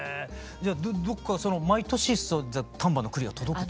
じゃあどこか毎年丹波の栗が届くと？